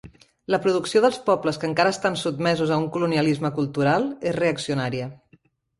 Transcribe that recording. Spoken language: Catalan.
La producció dels pobles que encara estan sotmesos a un colonialisme cultural és reaccionària.